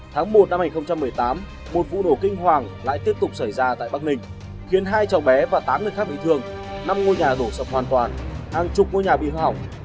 tháng một năm hai nghìn một mươi tám một vụ nổ kinh hoàng lại tiếp tục xảy ra tại bắc ninh khiến hai cháu bé và tám người khác bị thương năm ngôi nhà đổ sập hoàn toàn hàng chục ngôi nhà bị hư hỏng